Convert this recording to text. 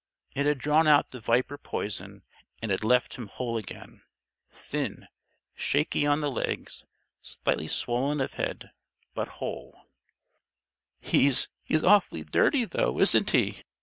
It had drawn out the viper poison and had left him whole again thin, shaky on the legs, slightly swollen of head but whole. "He's he's awfully dirty, though! Isn't he?"